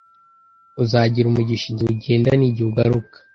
uzagira umugisha igihe ugenda n’igihe ugaruka.